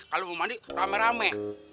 kalau mau mandi rame rame